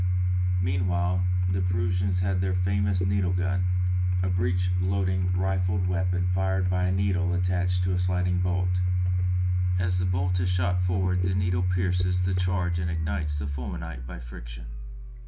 Meanwhile the Prussians had their famous needle gun, a breech loading rifled weapon fired by a needle attached to a sliding bolt; as the bolt is shot forward the needle pierces the charge and ignites the fulminate by friction.